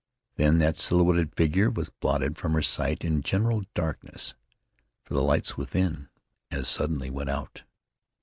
Then that silhouetted figure was blotted from her sight in general darkness, for the lights within as suddenly went out.